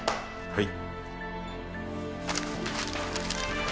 はい。